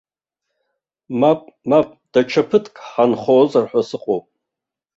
Мап, мап, даҽа ԥыҭк ҳанхозар ҳәа сыҟоуп.